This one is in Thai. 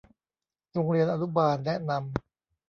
โรงเรียนอนุบาลแนะนำ